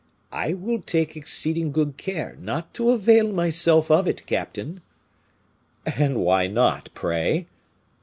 "I will take exceeding good care not to avail myself of it, captain." "And why not, pray?"